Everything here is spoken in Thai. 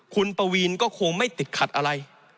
คุณปวีนก็คงไม่ติดขัดอะไร